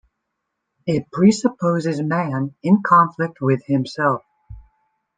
It presupposes man in conflict with himself.